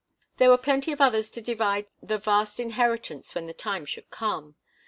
There were plenty of others to divide the vast inheritance when the time should come.